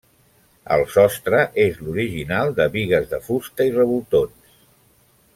El sostre és l'original de bigues de fusta i revoltons.